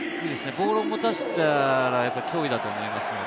ボールを持たせたら脅威だと思います。